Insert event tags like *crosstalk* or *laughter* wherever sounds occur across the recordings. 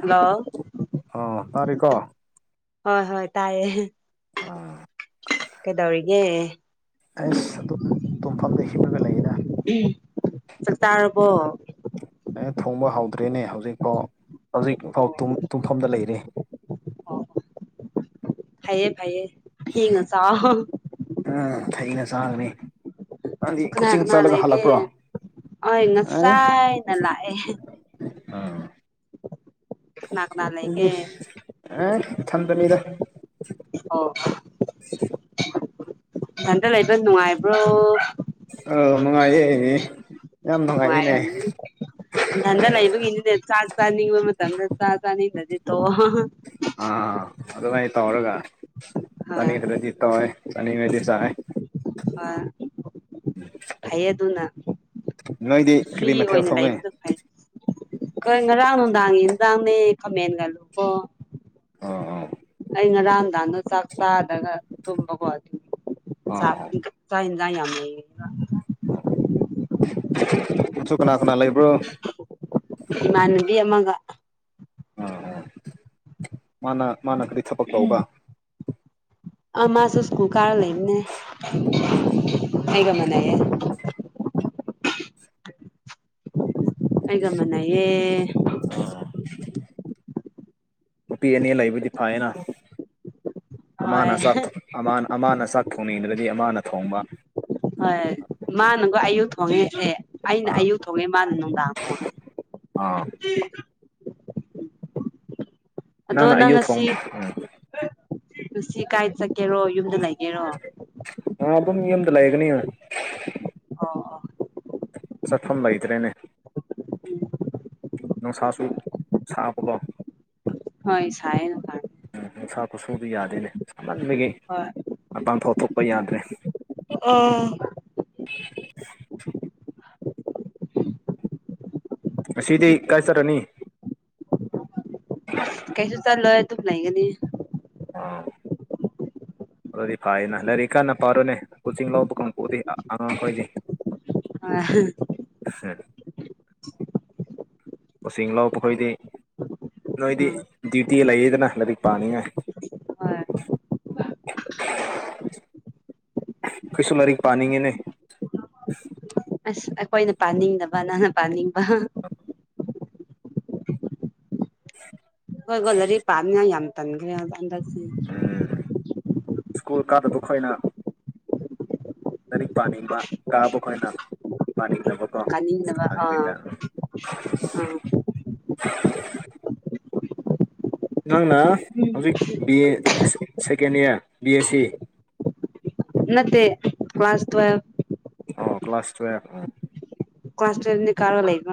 hello ꯑ ꯇꯥꯔꯤꯀꯣ ꯍꯣꯏ ꯍꯣꯏ ꯇꯥꯏꯌꯦ ꯑꯥ ꯀꯩꯗꯧꯔꯤꯒ ꯑꯁ ꯑꯗꯨꯝ ꯇꯨꯝꯐꯝꯗ ꯍꯤꯞꯂꯒ ꯂꯩꯌꯦꯅ ꯎ ꯆꯥꯛꯇꯥꯥꯔꯕꯣ ꯑꯦ ꯊꯣꯡꯕ ꯍꯧꯗ꯭ꯔꯦꯅꯦ ꯍꯧꯖꯤꯛꯐꯥꯎ ꯍꯧꯖꯤꯛꯐꯥꯎ ꯇꯨꯝꯐꯝꯗ ꯂꯩꯔꯤ ꯐꯩꯌꯦꯦ ꯐꯩꯌꯦ ꯊꯦꯡꯅ ꯆꯥꯛ ꯊꯩꯅ ꯆꯥꯡꯈꯅꯤꯦ ꯗꯤ ꯀꯅꯥ ꯀꯣꯆꯤꯡ ꯀꯅꯥ ꯆꯠꯂꯒ ꯂꯩꯒꯦ ꯍꯜꯂꯛꯄ꯭ꯔꯣ ꯍꯣꯏ ꯑꯦ ꯉꯁꯥꯏꯅ ꯂꯥꯛꯑꯦ ꯑꯥ ꯀꯅꯥ ꯀꯅꯥ ꯂꯩꯒꯦ ꯑꯦ ꯏ ꯊꯝꯗꯅꯤꯗ ꯑꯣ ꯑꯁꯦ ꯍꯟꯗ ꯂꯩꯕ ꯅꯨꯡꯉꯥꯏꯕ꯭ꯔꯣ ꯑ ꯅꯨꯡꯉꯥꯏꯅꯤ ꯃꯅꯤ ꯟꯗ ꯂꯩꯕ ꯏꯗꯦ ꯆꯥꯛ ꯆꯥꯅꯤꯕꯪ꯭ꯔ ꯆꯥ ꯆꯅꯤ ꯅꯗꯤ ꯇꯣ ꯑꯥ ꯑꯗꯨꯃꯥꯏ ꯇꯧꯔꯒ ꯍꯣꯏ ꯆꯅꯤꯗ꯭ꯔꯖꯤ ꯇꯧꯋꯦ ꯆꯅꯤ ꯃꯗꯤꯁꯦ ꯍꯥꯏꯌꯦ ꯑꯗꯨꯅ ꯅꯣꯏꯗꯤ ꯐ꯭ꯔꯤ ꯀꯔꯤ ꯃꯊꯦꯜ ꯑꯣꯏꯅ ꯊꯣꯡꯉꯦ ꯂꯩꯕ ꯐꯩ ꯉꯔꯥꯡ ꯅꯨꯡ ꯗꯥꯡꯉꯦ ꯇꯥꯡꯅꯦ ꯈꯥꯃꯦꯟꯒꯜꯂꯨꯕꯣ ꯑꯥ ꯑ ꯑꯩ ꯉꯔꯥꯡꯝꯗꯥꯗꯣ ꯆꯥꯛ ꯆꯥꯗꯒ ꯊꯨꯝꯕꯀꯣ ꯑꯗꯨꯗꯤ ꯆꯥꯛ ꯑꯣ ꯆ ꯉꯏꯃꯦ ꯁꯨꯛꯅꯥ ꯏꯃꯥꯟꯅꯕꯤ ꯑꯃꯒ ꯑꯥ ꯑ ꯃꯥꯅ ꯃꯥꯅ ꯈꯗꯤ ꯊꯕꯛ ꯇꯧꯕ ꯑ ꯃꯥꯁꯨ ꯁꯀꯨ ꯀꯥꯔ ꯂꯩꯅꯤꯅꯦ ꯑ ꯍꯕ ꯃꯅꯦ ꯑꯩꯩꯒꯃꯅ ꯌꯦꯦ ꯑꯥ ꯅꯨꯄꯤ ꯑꯅꯤ ꯂꯩꯕꯨꯗꯤ ꯐꯌꯦꯅ ꯍꯣꯏ ꯑꯃꯅ ꯁꯛ ꯑꯃꯅ ꯁꯛ ꯊꯣꯡꯅꯤꯡꯗ꯭ꯔꯗꯤ ꯑꯃꯅ ꯊꯣꯡꯕ ꯍꯣꯏ ꯃꯥꯅꯒꯣ ꯑꯌꯨꯛ ꯊꯣꯡꯉꯦꯁꯦ ꯑꯩꯅ ꯑꯥ ꯑꯌꯨꯛ ꯊꯣꯡꯉꯦ ꯃꯥꯅ ꯅꯨꯡꯗꯥꯡ ꯊꯣꯡꯉꯦ ꯑꯥ ꯅ ꯑꯗꯣ ꯏ ꯀ ꯁꯤ ꯀꯥꯏꯗ ꯆꯠꯀꯦꯔꯣ ꯌꯨꯝꯗ ꯂꯩꯒꯦꯔꯣ ꯑꯥ ꯑꯗꯨ ꯃꯤꯗ ꯂꯩꯥꯏꯒꯅꯤ ꯑꯣ ꯆꯠꯐꯝ ꯂꯩꯇ꯭ꯔꯦꯅꯦ ꯎꯝ ꯅꯨꯡꯁꯥꯁꯨ ꯁꯥꯕꯀꯣ ꯍꯣꯏ ꯏ ꯁꯅ ꯀꯥ ꯈꯨꯠꯁꯨꯗꯨ ꯌꯥꯗꯦꯅꯦ ꯁꯍꯟꯕꯒꯤ ꯍꯣꯏ ꯃꯇꯄꯥꯡ ꯊꯣꯛ ꯊꯣꯛꯄ ꯌꯥꯗ꯭ꯔꯦ ꯑ *inaudible* *inaudible* ꯉꯁꯤꯗꯤ ꯀꯥꯏꯆꯠꯂꯅꯤ ꯀꯩꯁꯨ ꯆꯥꯂꯣ ꯑꯗꯨꯨꯝ ꯂꯩꯒꯅꯤ ꯑꫭ ꯑꯗꯨꯗꯤ ꯐꯥꯏꯅ ꯂꯥꯏꯔꯤꯛ ꯀꯥꯟꯟꯅ ꯄꯥꯔꯨꯅꯦ ꯀꯣꯆꯤꯡ ꯂꯧꯕꯒꯨꯝ ꯎꯗꯤ ꯑꯉꯥꯡꯈꯣꯏꯒꯤ ꯑ *unintelligible* ꯎꯁꯤꯡ ꯂꫭꯛꯄꯈꯣꯏꯗꯤ ꯅꯣꯏꯗꯤ ꯎꯝ ꯗ꯭ꯌꯨꯇꯤ ꯂꯩꯌꯦꯗꯅ ꯂꯥꯏꯔꯤꯛ ꯄꯥꯅꯤꯡꯉꯥꯏ *unintelligible* ꯈꫭꯏꯁꯨ ꯂꯥꯏꯔꯤꯛ ꯄꯥꯅꯤꯡꯉꯦꯅꯦ ꯑꯁ ꯑꯩꯈꯣꯏꯅ ꯄꯥꯅꯤꯡꯗꯕ ꯅꯪꯅ ꯄꯥꯅꯤꯡꯕ *inaudible* ꯈꫭꯏꯕꯨ ꯂꯥꯏꯔꯤꯛ ꯄꯥꯝꯅꯤ ꯌꯥꯝ ꯇꯟꯈ꯭ꯔꯦꯕ ꯍꯟꯗꯛꯇꯤ ꯏꯁ꯭ꯀꯨꯜ ꯀꯥꯗ ꯇꫭꯛꯊꫭꯛꯏꯅ ꯂꯥꯏꯔꯤꯛ ꯄꯥꯅꯤꯡꯕ ꯀꯥꯕ ꯈꯣꯏꯅ ꯄꯥꯅꯤꯡ ꯀꯥꯅꯤꯡꯗꯕ ꯑꯥ ꯑꯥ *unintelligible* ꯅꯪꯅ ꯍꯧꯖꯤꯛ ꯕꯤꯑꯦ ꯁꯦ ꯁꯦꯀꯦꯟ ꯏꯌꯥꫪ ꯕꯤ ꯑꯦꯁ ꯁꯤ ꯅꯠꯇꯦ ꯀ꯭ꯂꯥꯁ ꯇ꯭ꯋꯦꯜꯚ ꯑꫭ ꯀ꯭ꯂꯥꯁ ꯇꯨꯋꯦꯜꯚ ꯑ ꯀ꯭ꯂꯥꯁ *unintelligible*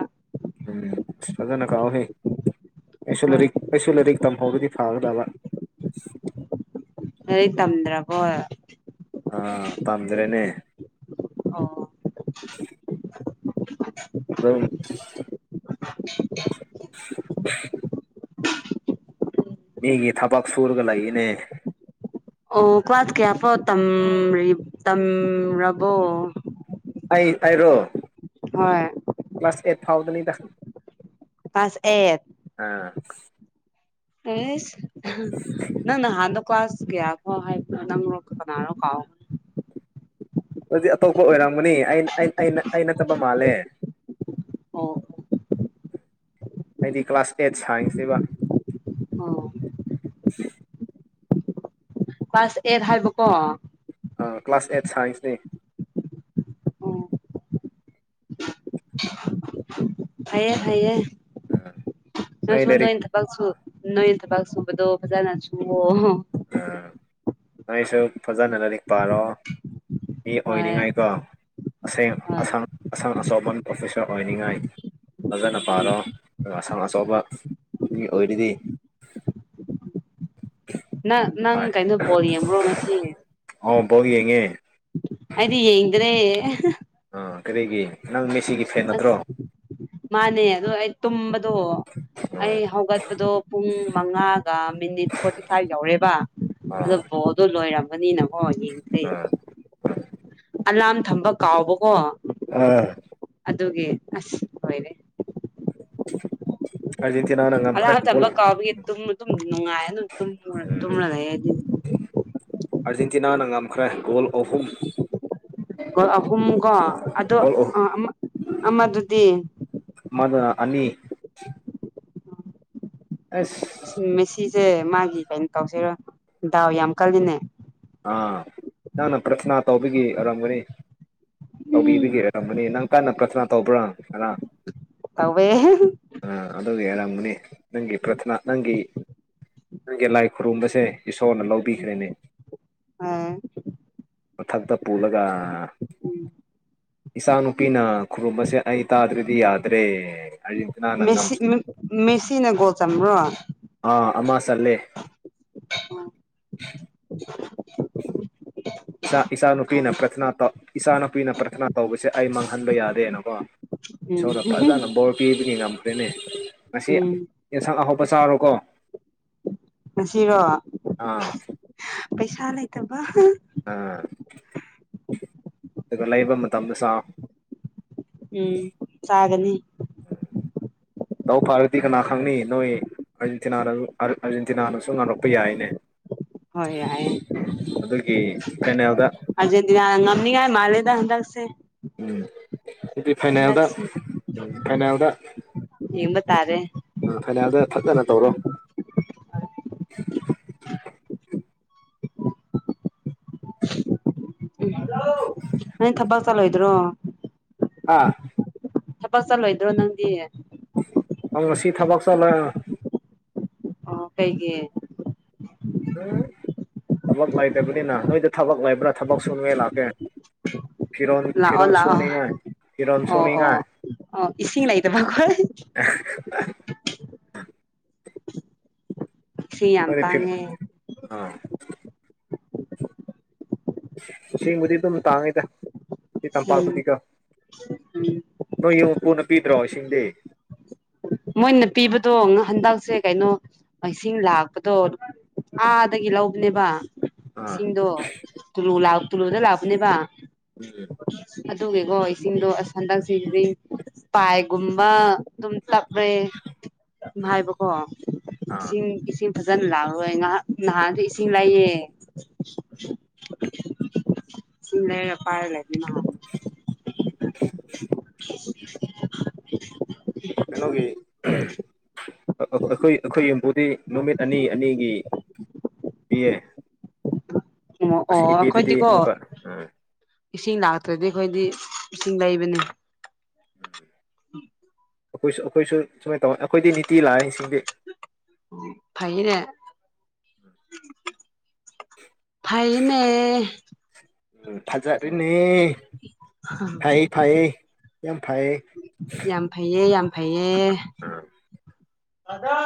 ꯎꯝ ꯐꯖꯅꯀꯥꯎꯍꯦ ꯑꯩꯁꯨ ꯍꯣꯏ ꯂꯥꯏꯔꯤꯛ ꯑꯩꯁꯨ ꯂꯥꯏꯔꯤꯛ ꯇꯝꯍꯧꯔꯗꯤ ꯐꯒꯗꯕ ꯂꯥꯏꯔꯤꯛ ꯇꯝꯗ꯭ꯔꯕꯣ ꯑꯥ ꯇꯝꯗ꯭ꯔꯦꯅꯦ ꯑꯣ *unintelligible* *inaudible* ꯃꯤꯒꯤ ꯊꯕꯛ ꯁꯨꯔꯒ ꯂꯩꯏꯅꯦ ꯑꯣ ꯀ꯭ꯋꯥꯁ ꯀꯌꯥ ꯐꯥꯎ ꯇꯝꯔꯤ ꯇꯝꯔꯕꯣ ꯑꯩ ꯑꯩꯔꯣ ꯍꯣꯏ ꯄ꯭ꯂꯁ ꯑꯦꯠ ꯊꯥꯎꯗꯅꯤꯗ ꯀ꯭ꯂꯥꯁ ꯑꯦꯠ ꯑꯥ ꯑꯦꯁ ꯅꯪ ꯅꯍꯥꯟꯗꯣ ꯀ꯭ꯂꯥꯁ ꯀꯌꯥ ꯐꯥꯎ ꯍꯥꯏꯕ꯭ꯔ ꯅꯪꯔꫭ ꯀꯅꯥꯅꯣ ꯀꯥꯎ *inaudible* ꯑꯗꯨꯗꯤ ꯑꯇꯣꯞꯄ ꯑꯣꯏꯔꯝꯒꯅꯤ ꯑꯩꯅ ꯑꯩꯅ ꯆꯠꯕ ꯃꯥꯜꯂꯦ ꯑꯣ ꯍꯥꯏꯗꯤ ꯀ꯭ꯂꯥꯁ ꯑꯦꯠ ꯁꯥꯏꯟꯁꯅꯦꯕ ꯑꯣ ꯀ꯭ꯂꯥꯁ ꯑꯦꯠ ꯍꯥꯏꯕꯀꯣ ꯀ꯭ꯂꯥꯁ ꯑꯦꯠ ꯁꯥꯏꯟꯁꯅꯤ ꯐꯩꯌꯦ ꯐꯩꯌꯦ ꯑꯥ ꯅꯣꯏꯁꯨ ꯅꯣꯏ ꯊꯕꯛꯁꯨ ꯅꯣꯏ ꯊꯕꯛ ꯁꯨꯕꯗꫭ ꯐꯖꯥꯅ ꯁꯨꯋꫭ ꯑ ꯅꫭꯏꯁꯨ ꯐꯖꯅ ꯂꯥꯏꯔꯤꯛ ꯄꯥꯔꯣ ꯃꯤ ꯍꯣꯏ ꯑꯣꯏꯅꯤꯉꯥꯏꯀꯣ ꯑꯁꯦꯡ ꯍꯣꯏ ꯑꯁꯥꯡ ꯑꯁꯥꯡ ꯑꯆꯧꯕ ꯑꯣꯐꯤꯁꯥꫪ ꯑꯣꯏꯅꯤꯡꯉꯥꯏ ꯐꯖꯅ ꯎꯝ ꯄꯥꯔꯣ ꯍꯣꯏ ꯑꯁꯪ ꯑꯆꯧꯕ ꯃꯤ ꯑꯣꯏꯔꯗꯤ ꯅꯪ ꯅꯪ ꯍꯣꯏ ꯀꯩꯅꯣ ꯄꯣꯜ ꯌꯦꯡꯕ꯭ꯔꯣ ꯉꯁꯤ ꯕꯡꯜ ꯌꯦꯡꯉꯦ ꯑꯩꯗꯤ ꯌꯦꯡꯗ꯭ꯔꯦ ꯀꯔꯤꯒꯤ ꯅꯪ ꯃꯦꯁꯤꯒꯤ ꯐꯦꯟ ꯅꯠꯇ꯭ꯔꯣ ꯑꯁ ꯃꯥꯅꯦ ꯑꯗꯣ ꯑꯩ ꯇꯨꯝꯕꯗꯣ ꯑꯥ ꯑꯩ ꯍꯧꯒꯠꯄꯗꯣ ꯄꯨꯡ ꯃꯉꯥꯒ ꯃꯤꯅꯤꯠ ꯐꯣꯔꯇꯤ ꯐꯥꯏꯚ ꯌꯧꯔꯦꯕ ꯑꯗꯨꯣ ꯑꯥ ꯕꯣꯗꯣ ꯂꯣꯏꯔꯝꯃꯅꯤꯅ ꯑꯣ ꯌꯦꯁꯦ ꯑꯥ ꯑꯂꯥꯝ ꯊꯝꯕ ꯀꯥꯎꯕꯀꯣ ꯎꯝ ꯑꯗꯨꯒꯤ ꯑꯁ ꯑꯣꯏꯣꯏꯔꯦ ꯍꯥꯏ ꯑ ꯇꯝꯕ ꯀꯥꯎꯕ ꯇꯨꯝ ꯇꯨꯝꯅꯨꯡꯉꯥꯏ ꯇꯨꯝ ꯎꯝ ꯇꯨꯝꯦ ꯑꯥꯔꯖꯦꯟꯇꯤꯅꯥꯅ ꯉꯝꯈ꯭ꯔꯦ ꯒꯣꯜ ꯑꯍꯨꯝ ꯑꯍꯨꯝ ꯀꯣ ꯑꯗꯣ ꯒꯣꯜ ꯑꯍꯨꯝ ꯑꯃꯗꯨꯗꯤ ꯑꯃꯅ ꯑꯅꯤ ꯑ ꯃ ꯁꯤꯁꯦ ꯃꯥꯒꯤ ꯀꯩꯅꯣ ꯇꯧꯁꯤꯔꯣ ꯗꯥꯎ ꯌꯥꯝ ꯀꯜꯂꯤꯅꯦ ꯑꯥ ꯅꯅ ꯄ꯭ꯔꯁꯅꯥ ꯇꯧꯕꯒꯤ ꯑꯣꯏꯔꯝꯒꯅꯤ ꯇꯧꯕꯤꯕꯤꯒꯦꯔꯛꯔꯝꯕꯅꯦ ꯅꯪ ꯀꯟꯅ ꯄ꯭ꯔꯊꯅꯥ ꯇꯧꯕ꯭ꯔꯥ ꯀꯅꯥ ꯇꯋꯦ ꯅꯪꯅꯦ ꯅꯪꯒꯤ ꯄ꯭ꯔꯊꯅꯥ ꯅꯪꯒꯤ ꯅꯒꯤ ꯂꯥꯏ ꯈꯨꯔꯨꯝꯕꯁꯦ ꯏꯁꯣꯔꯅ ꯂꯧꯕꯤꯈ꯭ꯔꯦꯅꯦ ꯑ ꯃꯊꯛꯇ ꯄꯨꯂꯒ ꯏꯆꯥ ꯅꯨꯨꯄꯤꯅ ꯈꯨꯔꯨꯝꯕꯁꯦ ꯑꯩ ꯇꯥꯗ꯭ꯔꯗꯤ ꯌꯥꯗ꯭ꯔꯦ ꯑꯥꯔꯖꯦꯟꯇꯤꯅꯥꯅ ꯃꯦꯁꯤ ꯉꯝꯁ ꯃꯦꯁꯤꯅꯒꯣꯁꯝ꯭ꯔꯣ ꯑꯥ ꯑꯃ ꯆꯠꯂꯦ ꯏꯆꯥꯅꯨꯄꯤꯅ ꯐꯩ ꯄ꯭ꯔꯊꯅꯥꯧ ꯏꯆꯥꯅꯨꯄꯤꯅ ꯄ꯭ꯔꯊꯅꯥ ꯇꯧꯕꯁꯦ ꯑꯩ ꯃꯥꯡꯍꯟꯕ ꯌꯥꯗꯦꯅꯀꯣ ꯎꯝ ꯏꯁꯣꯔꯗ ꯐꯖꯅ ꯕꯣꯔ ꯄꯤꯕꯒꯤ ꯉꯝꯈ꯭ꯔꯅꯦ ꯉꯁꯤ ꯎꯝ ꯑꯦꯟꯁꯪ ꯑꯍꯧꯕ ꯄ ꯆꯥꯔꯣꯀꯣ ꯉꯁꯤꯔꯣ ꯑꯥ ꯄꯩꯁꯥ ꯂꯩꯇꯕ ꯑꯥ ꯑꯗꯨꯒ ꯂꯩꯕ ꯃꯇꯝꯗꯁꯨ ꯎꯝ ꯆꯒꯅꯤ ꯎꯝ ꯗꯥꯎ ꯐꯥꯔꯗꯤ ꯀꯅꯥ ꯈꯪꯅꯤ ꯅꯣꯏ ꯑꯤ ꯑꯥꯔꯖꯦꯟꯇꯤꯅꯥꯅꯁꯨ ꯉꯥꯡꯂꯛꯄ ꯌꯥꯏꯅꯦ ꯍꯣꯏ ꯌꯥꯏꯑꯦ ꯑꯗꯨꯒꯤ ꯐꯥꯏꯅꯦꯜꯗ ꯑꯖꯦꯟꯅꯥ ꯉꯝꯅꯤ ꯍꯥꯏꯦ ꯃꯂꯦꯗ ꯍꯟꯗꯛꯁꯦ ꯎꯝꯗꯤ ꯐꯥꯏꯅꯦꯜꯗ ꯍꯟꯗꯛꯁꯤ ꯎꯝ ꯐꯥꯏꯅꯦꯜꯗ ꯌꯦꯡꯕ ꯇꯥꯔꯦ ꯎ ꯐꯅꯥꯜꯗ ꯐꯖꯅ ꯇꯧꯔꯣ ꯎꯝ ꯅꯪ ꯊꯕꯛ ꯆꯠꯂꯣꯏꯗ꯭ꯔꯣ ꯍꯥꯥ ꯊꯕꯛ ꯆꯠꯂꯣꯏꯗ꯭ꯔꯣ ꯅꯪꯗꯤ ꯑꯪ ꯉꯁꯤ ꯊꯕꯛ ꯆꯠꯂ ꯑꯣ ꯀꯩꯒꯤ ꯎꯝ ꯊꯕꯛ ꯂꯩꯇꯕꯅꯤꯅ ꯅꯣꯏꯗ ꯊꯕꯛ ꯂꯩꯕ꯭ꯔꯥ ꯊꯕꯛ ꯁꯨꯅꯉꯦ ꯂꯥꯛꯀꯦ ꯐꯔꯣꯟ ꯂꯥꯛꯑꯣ ꯐꯤꯔꯣꯟ ꯁꯣꯅꯤꯡꯉ ꯂꯥꯛꯑꯣ ꯐꯔꯣꯟ ꯑꯣ ꯁꯣꯅꯤꯡꯉ ꯑꯣ ꯑꯣ ꯏꯁꯤꯡ ꯂꯩ ꯂꯩꯗ ꯃꯈꯈꯣꯏ ꯑ ꯁꯤꯤꯌꯥ ꯅꯣꯏꯗꯤ ꯐꯤ ꯇꯉꯦ ꯑꯥ ꯏꯁꯤꯡꯕꯨꯗꯤ ꯑꯗꯨꯝ ꯇꯥꯡꯉꯤꯗ ꯎꯝ ꯇꯝꯄꯥꯛꯄꯨꯗꯤꯀꯣ ꯎꯝ ꯅꯣꯏ ꯌꯨꯝ ꯃꯄꯨꯅ ꯄꯤꯗ꯭ꯔꯣ ꯏꯁꯤꯡꯗꯦ ꯃꯣꯏꯅ ꯄꯤꯕꯗꯣ ꯉ ꯍꯟꯗꯛꯁꯦ ꯀꯩꯅꯣ ꯏꯁꯤꯡ ꯂꯥꯛꯄꯗꯣ ꯑꯥꯗꯒꯤ ꯂꯧꯕꯅꯦꯕ ꯑꯥ ꯏꯁꯤꯡꯗꯣ ꯇꯨ ꯇꯨꯂꯨꯗ ꯂꯥꯛꯄꯅꯦꯕ ꯎꯝ ꯇꯨꯒꯤꯦꯀꯣ ꯏꯁꯤꯡꯗꯣ ꯑꯁ ꯍꯟꯗꯛꯁꯤ ꯄꯥꯏꯒꯨꯝꯕ ꯑꯗꯨ ꯎꯝ ꯇꯥꯄꯔꯦꯚꯥꯏꯕꯀꯣ ꯀ ꯁꯤ ꯑꯥ ꯀꯤꯁ ꯐꯖꯅ ꯂꯥꯛꯑꯣꯏ ꯉꯍꯥꯛ ꯅꯍꯥꯟꯁꯨ ꯏꯁꯤꯡ ꯂꯩꯥꯏꯌꯦ ꯁꯤ ꯂꯩ ꯌꯥ ꯄꯥꯏ ꯂꯩ ꯎ *unintelligible* ꯀꯩꯅꯣꯒꯤ ꯑꯩꯈꯣꯏ ꯑꯩꯈꯣꯏ ꯌꯨꯝꯕꯨꯨꯗꯤ ꯅꯨꯃꯤꯠ ꯑꯅꯤ ꯑꯅꯤꯒꯤ ꯄꯦ ꯑꯣ ꯑꯣ ꯑꯩꯈꯣꯏꯗꯤꯀꯣ ꯑꯥ ꯏꯁꯤꯡ ꯂꯥꯛꯇ꯭ꯔꯗꯤ ꯑꯩꯈꯣꯏꯗꯤ ꯏꯁꯤꯡ ꯂꯩꯕꯅꯤ ꯑꯩꯈꯣꯏꯁꯨ ꯑꯩꯈꯣꯏꯁꯨ ꯁꯨꯃꯥꯏ ꯇꯧꯋꯅꯤ ꯑꯩꯈꯣꯏꯗꯤ ꯅꯤꯇꯤ ꯂꯥꯛꯏꯦ ꯎ ꯐꯩꯩꯅ ꯐꯥꯏꯅꯦ ꯎ ꯐꯖꯥꯅꯦ ꯐ ꯐꯌꯦ ꯌꯥꯝ ꯐꯩꯌꯦ ꯌꯥꯝ ꯐꯩꯌꯦ ꯑꯗ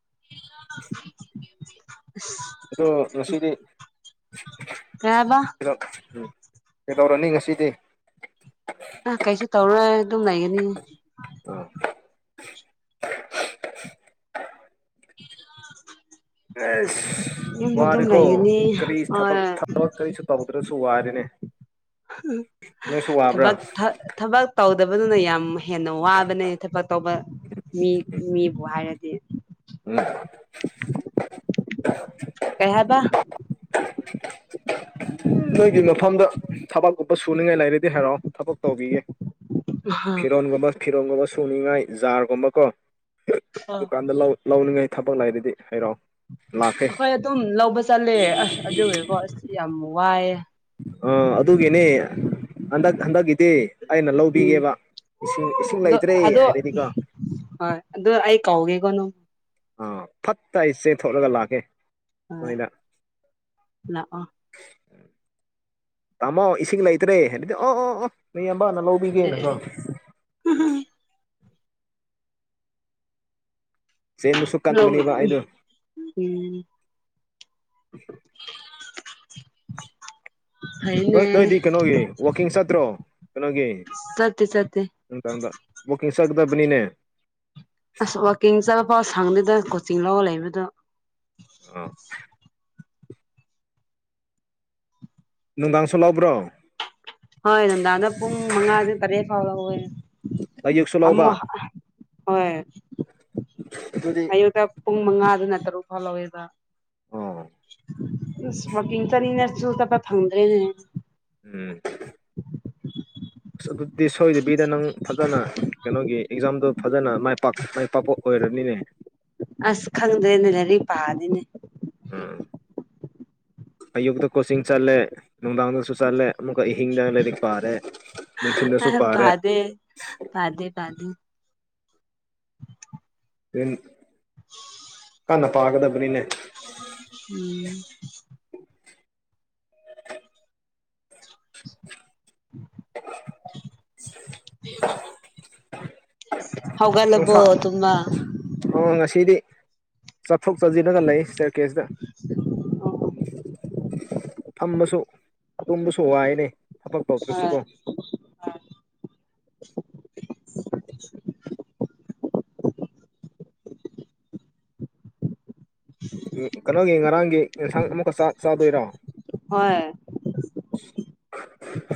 *unintelligible* ꯑꯣ ꯀꯩ ꯍꯥꯏꯕ ꯉꯁꯤꯗꯤꯗꯣ ꯎ ꯀꯩꯗꯧꯔꯅꯤ ꯉꯁꯤꯗꯤ ꯑ ꯀꯩꯁꯨ ꯇꯧꯔꯣꯏ ꯑꯗꯨꯝ ꯂꯩꯒꯅꯤ ꯎ ꯑꯦꯁ ꯋꯥꯔꯦꯀꯣ ꯂꯩꯒꯅꯤ ꯀꯔꯤ ꯍꯣꯏ ꯊꯕꯛ ꯊꯕꯛ ꯀꯔꯤꯁꯨ ꯇꯧꯗ꯭ꯔꯁꯨ ꯆꯨꯋꯥꯔꯤꯅꯦ ꯊꯕꯛ ꯊꯕꯛ ꯇꯧ ꯇꯗꯕꯗꯨꯅ ꯌꯥꯝ ꯍꯦꯟꯅ ꯋꯥꯕꯅꯦ ꯊꯕꯛ ꯇꯧꯕ ꯃꯤ ꯃꯤꯕꯨ ꯍꯥꯏꯔꯒꯦ ꯎꯝ ꯀꯌꯥꯕ ꯅꯣꯏꯒꯤ ꯃꯐꯝꯗ ꯊꯕꯛꯀꯨꯝꯄ ꯁꯨꯅꯤꯉꯥꯏ ꯂꯩꯔꯗꯤ ꯍꯥꯏꯔꯛꯑꯣ ꯊꯕꯛ ꯇꯧꯈꯤꯒꯦ ꯑꯥ ꯐꯤꯔꯣꯟꯒꯨꯝꯕ ꯐꯤꯔꯣꯒꯨꯝꯕ ꯁꯨꯅꯤꯉꯥꯏ ꯖꯥꯔꯒꯨꯝꯕ ꯀꯣ ꯗꯨꯀꯥꯟꯗ ꯂꯧꯅꯤꯡꯉꯥꯏ ꯊꯕꯛ ꯂꯩꯗꯨꯗꯤ ꯍꯔꯛꯑꯣ ꯑꯩꯈꯣꯏ ꯑꯗꯨꯝ ꯂꯧꯕ ꯆꯠꯂꯦ ꯑꯁ ꯑꯗꯨꯒꯤꯀꯣ ꯑꯁꯤ ꯌꯥꯝ ꯋꯥꯏꯑ ꯑ ꯑꯗꯨꯒꯤꯅꯦ ꯍꯟꯗꯛ ꯍꯟꯗꯛꯀꯤꯗꯤ ꯑꯩꯅ ꯂꯧꯕꯤꯒꯦꯕ ꯏꯁꯤꯡ ꯏꯁꯤꯡ ꯂꯩꯇ꯭ꯔꯦ ꯍꯥꯏꯔꯗꯤꯀꯣ ꯍ ꯑꯗꯨ ꯑ ꯀꯥꯎꯒꯦꯒꯣꯅ ꯑꯥ ꯐꯠꯇ ꯑꯩꯁꯦ ꯊꯣꯛꯣꯠꯂꯒ ꯂꯥꯛꯀꯦ ꯑ ꯅꯣꯏꯗ ꯍ ꯇꯥꯃꯣ ꯏꯁꯤꯡ ꯂꯩꯇ꯭ꯔꯦ ꯍꯥꯏꯗꯤ ꯑꯣ ꯑꯣ ꯕꯥꯟꯅ ꯂꯕꯤꯒꯦꯅ ꯑꯦ ꯀ ꯆꯦꯟꯕꯁꯨ ꯍ ꯀꯟꯕꯅꯦꯕ ꯑꯩꯗꯣ ꯎꯝ *unintelligible* ꯐꯩꯅꯦ ꯅꯣꯏ ꯅꯣꯏꯗꯤ ꯀꯩꯅꯣꯒꯤ ꯋꯥꯋꯥꯛꯀꯤꯡ ꯆꯠꯇ꯭ꯔꯣ ꯀꯩꯅꯣꯒꯤ ꯆꯠꯇꯦ ꯆꯠꯇꯦ ꯎ ꯀꯤꯡ ꯁꯒꯗꯕꯅꯤꯅꯦ ꯑꯁ ꯋꯥꯛꯀꯤꯡ ꯆꯠꯂꯄꯥꯎ ꯁꯪꯗꯗꯅ ꯀꯣꯆꯤꯡ ꯂꯧꯔ ꯂꯩꯕꯗꯣ ꯑ ꯅꯨꯡꯗꯥꯥꯡꯁꯨꯣꯂꯕ꯭ꯔꯣ ꯍꯣꯏ ꯅꯗꯥ ꯑꯗ ꯄꯨꯡ ꯃꯉꯥ ꯑꯗꯨ ꯇꯔꯦ ꯐꯥꯎꯕ ꯍꯦ ꯑꯌꯨꯛꯁꯨ ꯂꯧꯕ ꯍꯣꯏ ꯑꯗꯨꯗꯤ ꯑꯌꯨꯛꯇ ꯄꯨꯡ ꯃꯉꯥꯗ ꯅꯠꯇꯔꯨ ꯐ ꯂꯧꯋꯦꯗ ꯑꯣ ꯏꯁꯃꯣꯀꯤ ꯆꯅꯤꯅꯦꯁꯨ ꯇ ꯊꯪꯗ꯭ꯔꯦꯅꯦ ꯎꯝ ꯑꯁ ꯑꯗꯨꯗꯤ ꯁꯣꯏꯗꯕꯤꯗ ꯅꯪ ꯐꯖꯅ ꯀꯩꯅꯣꯒꯤ ꯑꯦꯛꯖꯥꯝꯗꯨꯣ ꯐꯖꯅ ꯃꯥꯏ ꯄ ꯃꯥꯏ ꯄꯥꯛ ꯑꯁ ꯈꯪꯗꯦꯅꯦ ꯂꯩꯔꯤ ꯄꯥꯗꯅꯦ ꯎꯝ ꯑꯌꯨꯛꯗ ꯀꯣꯆꯤꯡꯤꯡ ꯆꯠꯂꯦ ꯅꯨꯡꯗꯥꯡꯗꯁꯨ ꯆꯠꯂꯦ ꯑꯃꯨꯛꯀ ꯑꯍꯤꯡꯗ ꯂꯥꯏꯔꯤꯛ ꯄꯥꯔꯦ ꯑꯍ ꯃꯅꯨꯡꯊꯤꯜꯗꯁꯨ ꯄꯥꯔꯦ ꯄꯥꯗꯦ ꯄꯥꯗꯦ ꯄꯥꯗꯦ ꯎꯦꯟ *unintelligible* ꯄꯥꯒꯗꯕꯅꯤꯅꯦ ꯎꯝ *unintelligible* *unintelligible* *unintelligible* ꯍ ꯍꯧꯒꯂꯕꯣ ꯅꯨꯡꯁꯥ ꯇꯨꯃ ꯁꯠ ꯊꯣꯛꯆꯁꯤꯜꯔꯒ ꯂꯩ ꯁꯇꯔ ꯀꯦꯖꯇ ꯐꯝꯝꯕꯁꯨ ꯇꯨꯝꯕꯁꯨ ꯋꯥꯏꯅꯦ ꯊꯕꯛ ꯇꯧꯗ꯭ꯔꯁꯨꯀꯣ ꯍꯣꯏ *unintelligible* ꯎ ꯀꯩꯅꯣꯒꯤ ꯉꯔꯥꯡꯒꯤ ꯌꯦꯟꯁꯥꯡ ꯑꯃꯨꯛꯀ ꯆ ꯆꯥꯗꯣꯏꯔꯣ ꯍꯣꯏ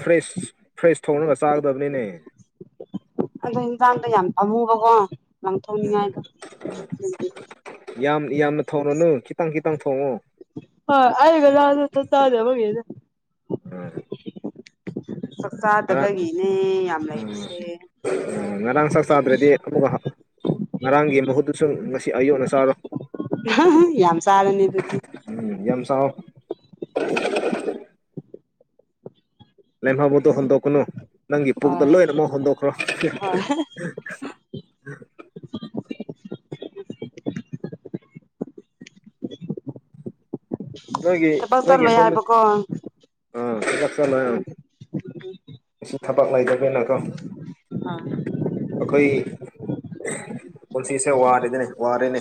ꯐ꯭ꯔꯦꯁ ꯐ꯭ꯔꯦꯁ ꯊꯣꯡꯅꯒ ꯆꯥꯒꯗꯕꯅꯤꯅꯦ ꯑꯗꯣ ꯍꯟꯁꯥꯡꯗꯣ ꯌꯥꯝ ꯊꯝꯃꯨꯕꯀꯣ ꯎꯝ ꯂꯪꯊꯣꯛꯅꯤꯉꯥꯏꯗ ꯌꯥꯝ ꯌꯥꯝꯅ ꯊꯧꯔꯣꯅꯨ ꯈꯤꯇꯪ ꯈꯤꯇꯪ ꯊꯣꯡꯉꯣ ꯍ ꯑꯩꯒ ꯂꯅ ꯆꯗꯦꯒꯦꯅꯦ ꯎꯝ ꯆꯥꯛ ꯆꯥꯗꯕꯒꯤꯅꯦ ꯌꯥꯝ ꯂꯩꯕꯁꯦ ꯉꯔꯥꯡ ꯆꯥꯛ ꯆꯥꯗ꯭ꯔꯗꯤ ꯑꯃꯨꯛꯀ ꯉꯔꯥꯡꯒꯤ ꯃꯍꯨꯠꯇꯨꯁꯨ ꯉꯁꯤ ꯑꯌꯨꯛꯅ ꯆꯥꯔꯣ ꯌꯥꯝ ꯁꯥꯔꯅꯤ ꯑꯗꯨꯗꯤ ꯎꯝ ꯌꯥꯝ *unintelligible* ꯂꯦꯝꯍꯥꯕꯨꯗ ꯍꯟꯗꯣꯛ ꯀꯅꯣ ꯅꯪꯒꯤ ꯄꯨꯛꯇ ꯍꯣꯏ ꯂꯣꯏꯅꯃꯛ ꯍꯣꯟꯗꯣꯛꯈ꯭ꯔꯣ ꯍꯣꯏ ꯅꯣꯢꯒꯤ ꯊꯕꯛ ꯅꯣꯢꯒꯤ ꯆꯠꯂꯣꯏ ꯁꯣꯝ ꯍꯥꯏꯕꯀꯣ ꯎꯝ *inaudible* ꯑꯥ ꯑꯩꯈꯣꯏ ꯄꯨꯟꯁꯤꯁꯦ ꯋꯥꯔꯗꯅꯦ ꯋꯥꯔꯅꯦ